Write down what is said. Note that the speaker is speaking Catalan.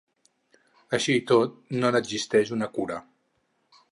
Així i tot, no n’existeix una cura.